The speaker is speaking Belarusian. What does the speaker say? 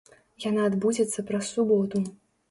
Яна адбудзецца праз суботу.